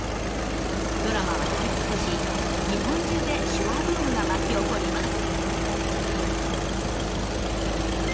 ドラマは大ヒットし日本中で手話ブームが巻き起こります。